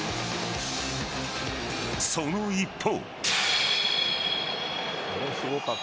その一方。